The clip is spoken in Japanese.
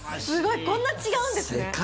すごいこんな違うんですね。